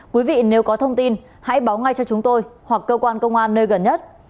quý vị nếu có thông tin hãy báo ngay cho chúng tôi hoặc cơ quan công an nơi gần nhất